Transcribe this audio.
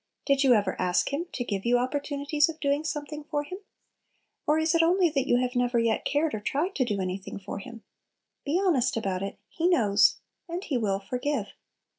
Did you ever ask Him to give you opportunities of doing something for Him? Or is it only that you have never yet cared or tried to do anything for Him? Be honest about it. He knows. And He will forgive.